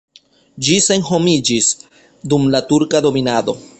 Ĝi senhomiĝis dum la turka dominado.